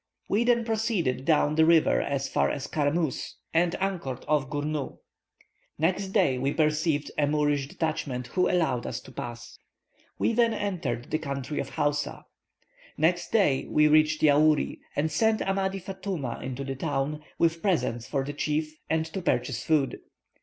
We then proceeded down the river as far as Carmusse, and anchored off Gournou. Next day we perceived a Moorish detachment, who allowed us to pass. "We then entered the country of Houssa. Next day we reached Yaouri, and sent Amadi Fatouma into the town, with presents for the chief and to purchase food.